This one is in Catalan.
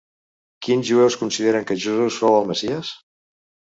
Quins jueus consideren que Jesús fou el messies?